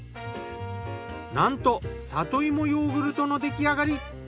なんと里芋ヨーグルトの出来上がり。